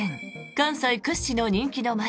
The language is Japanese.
関西屈指の人気の街